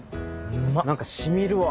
何か染みるわ。